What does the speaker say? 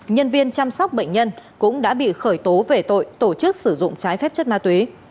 nhân viên chăm sóc bệnh nhân cũng đã bị khởi tố về tội tổ chức sử dụng trái phép chất ma túy